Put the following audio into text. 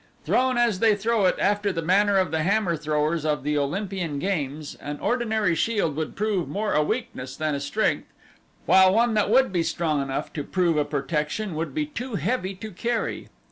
Thrown as they throw it, after the manner of the hammer throwers of the Olympian games, an ordinary shield would prove more a weakness than a strength while one that would be strong enough to prove a protection would be too heavy to carry.